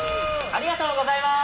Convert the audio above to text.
ありがとうございます